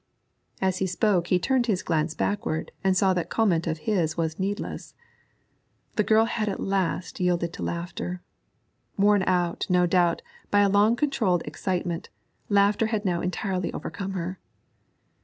As he spoke he turned his glance backward and saw that comment of his was needless. The girl had at last yielded to laughter. Worn out, no doubt, by a long controlled excitement, laughter had now entirely overcome her.